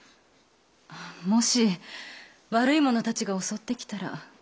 もし悪い者たちが襲ってきたら。